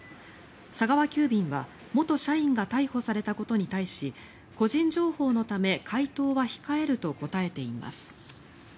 佐川急便は元社員が逮捕されたことに対し個人情報のため回答は控えると答えています。